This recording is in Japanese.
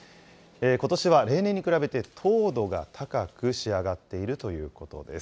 ことしは例年に比べて糖度が高く仕上がっているということです。